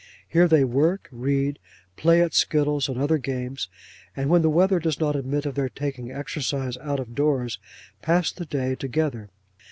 Here they work, read, play at skittles, and other games; and when the weather does not admit of their taking exercise out of doors, pass the day together.